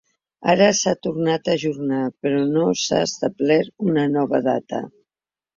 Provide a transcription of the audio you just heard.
Ara s’ha tornat a ajornar, però no s’ha establert una nova data.